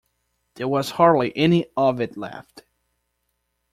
There was hardly any of it left.